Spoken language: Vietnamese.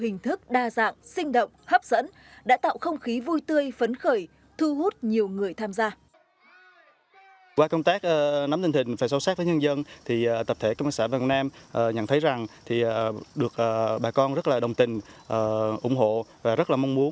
hình thức đa dạng sinh động hấp dẫn đã tạo không khí vui tươi phấn khởi thu hút nhiều người tham gia